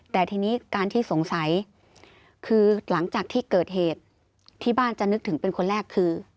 แต่ทีนี้การที่สงสัยคือหลังจากที่เกิดเหตุที่บ้านจะนึกถึงเป็นคนแรกคือ